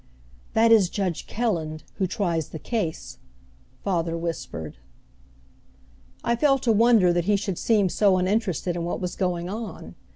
"That is Judge Kelland, who tries the case," father whispered. I felt a wonder that he should seem so uninterested in what was going on.